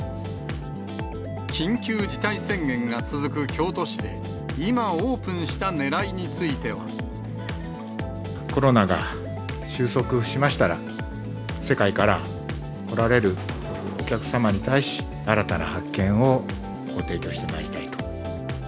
緊急事態宣言が続く京都市で、コロナが収束しましたら、世界から来られるお客様に対し、新たな発見をご提供してまいりたいと。